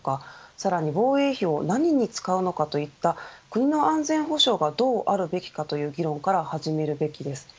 さらに防衛費を何使うのかといった国の安全保障がどうあるべきかという議論から始めるべきです。